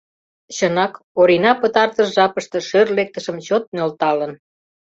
Чынак, Орина пытартыш жапыште шӧр лектышым чот нӧлталын.